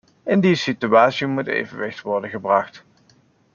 In die situatie moet evenwicht worden gebracht.